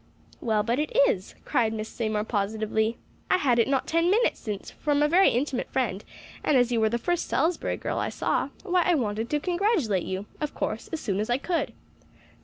"Well, but it is," cried Miss Seymour positively. "I had it not ten minutes since from a very intimate friend; and as you were the first Salisbury girl I saw, why, I wanted to congratulate you, of course, as soon as I could."